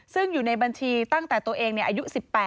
ซึ่งอยู่ในบัญชีตั้งแต่ตัวเองอายุ๑๘